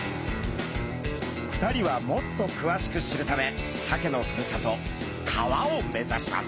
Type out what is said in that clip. ２人はもっとくわしく知るためサケのふるさと川を目指します。